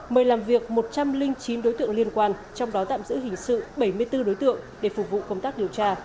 mời làm việc một trăm linh chín đối tượng liên quan trong đó tạm giữ hình sự bảy mươi bốn đối tượng để phục vụ công tác điều tra